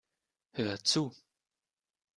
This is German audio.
Hör zu!